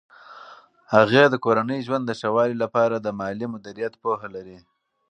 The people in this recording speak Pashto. هغې د کورني ژوند د ښه والي لپاره د مالي مدیریت پوهه لري.